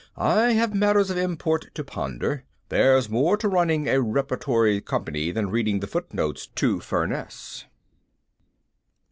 I have matters of import to ponder. There's more to running a repertory company than reading the footnotes to Furness."